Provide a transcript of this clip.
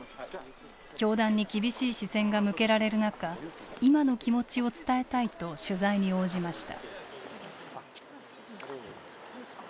教団に厳しい視線が向けられる中今の気持ちを伝えたいと取材に応じました。